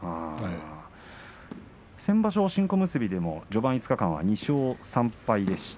新小結で序盤５日間は２勝３敗でした。